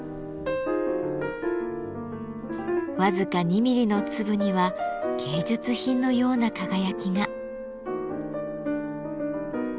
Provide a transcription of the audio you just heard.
僅か２ミリの粒には芸術品のような輝きが。